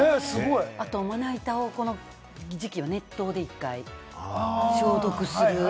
あと、まな板をこの時期は熱湯で１回消毒する。